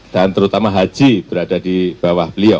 terutama haji berada di bawah beliau